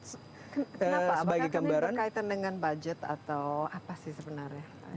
apakah ini berkaitan dengan budget atau apa sih sebenarnya